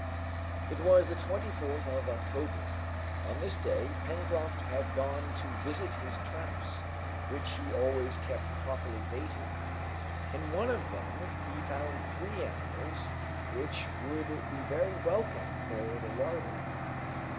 It was the 24th of October. On this day, Pencroft had gone to visit his traps, which he always kept properly baited. In one of them he found three animals which would be very welcome for the larder.